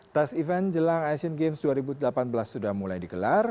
tas event jelang asean games dua ribu delapan belas sudah mulai dikelar